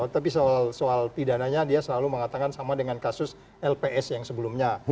tapi soal pidananya dia selalu mengatakan sama dengan kasus lps yang sebelumnya